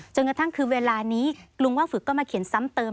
จนกระทั่งคือเวลานี้กรุงว่าฝึกก็มาเขียนซ้ำเติม